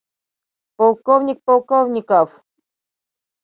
— Полковник Полковников!